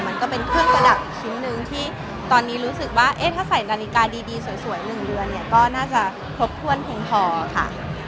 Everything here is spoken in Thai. มันก็เป็นเครื่องประดับอีกชิ้นหนึ่งที่ตอนนี้รู้สึกว่าถ้าใส่นาฬิกาดีสวย๑เดือนเนี่ยก็น่าจะครบถ้วนเพียงพอค่ะ